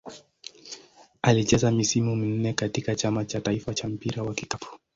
Alicheza misimu minne katika Chama cha taifa cha mpira wa kikapu.